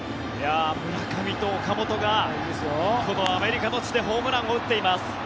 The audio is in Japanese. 村上と岡本がこのアメリカの地でホームランを打っています。